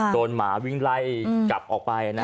หมาวิ่งไล่กลับออกไป